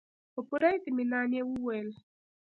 په پوره اطمينان يې وويل.